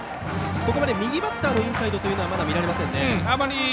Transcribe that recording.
ここまで右バッターのインサイドはまだ見られませんね。